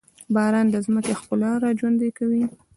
باران د ځمکې ښکلا راژوندي کوي.